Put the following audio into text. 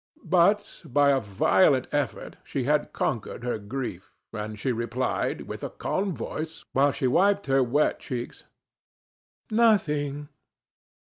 But, by a violent effort, she had conquered her grief, and she replied, with a calm voice, while she wiped her wet cheeks: "Nothing.